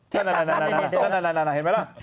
เทพทัพทับส่ง